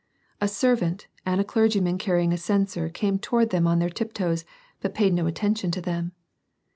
A servant, and a clergyman carrying a censer came toward them on their tiptoes but paid no attention to them.